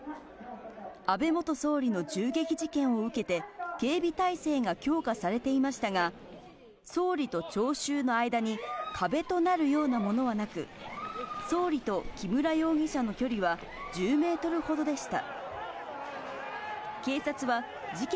安倍元総理の銃撃事件を受けて、警備態勢が強化されていましたが、総理と聴衆の間に壁となるようなものはなく、総理と木村容疑者の距離は１０メートルほどでした。